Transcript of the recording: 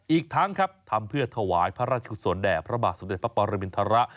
อีกทั้งทำเพื่อถวายพระราชิกสวนแด่พระบาทสุทธิประปรมินทระ